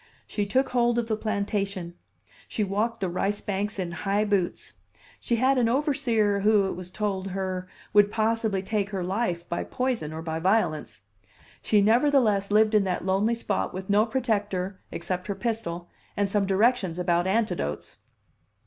She took hold of the plantation, she walked the rice banks in high boots. She had an overseer, who, it was told her, would possibly take her life by poison or by violence. She nevertheless lived in that lonely spot with no protector except her pistol and some directions about antidotes.